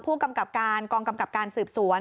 ผู้กำกับการกองกำกับการสืบสวน